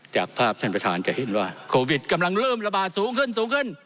จากภาพท่านประธานจะเห็นว่าโควิดกำลังเริ่มระบาดสูงขึ้นสูงขึ้น